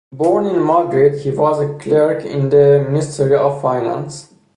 Born in Madrid, he was a clerk in the ministry of finance.